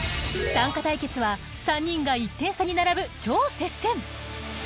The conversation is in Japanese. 短歌対決は３人が１点差に並ぶ超接戦。